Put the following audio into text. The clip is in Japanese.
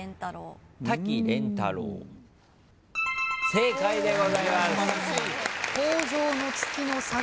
正解でございます。